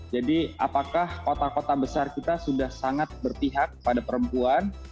jadi apakah kota kota besar kita sudah sangat berpihak pada perempuan